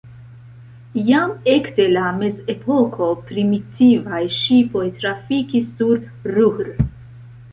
Jam ekde la mezepoko primitivaj ŝipoj trafikis sur Ruhr.